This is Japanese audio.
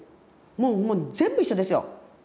もうもう全部一緒ですよ。